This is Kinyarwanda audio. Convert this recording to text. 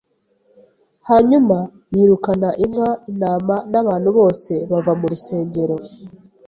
Hanyuma, yirukana inka, intama n'abantu bose bava mu rusengero.